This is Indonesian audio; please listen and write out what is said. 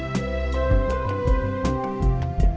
cep katanya mau ketemu kang